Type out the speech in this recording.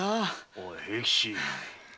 おい平吉。